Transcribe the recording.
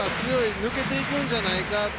抜けていくんじゃないか。